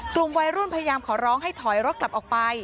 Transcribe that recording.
กลุ่มวัยรุ่นพยายามขอร้องให้ถอยรถกลับออกไป